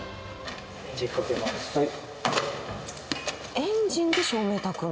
エンジンで照明たくの？